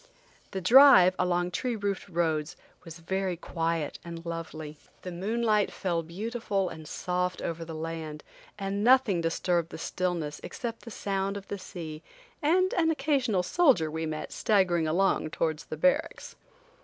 The drive, along tree roofed roads, was very quiet and lovely. The moonlight fell beautiful and soft over the land, and nothing disturbed the stillness except the sound of the sea and an occasional soldier we met staggering along towards the barracks.